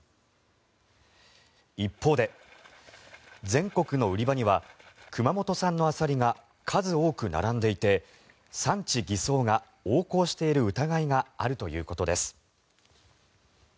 一方で、全国の売り場には熊本産のアサリが数多く並んでいて産地偽装が横行している疑いがあるということです。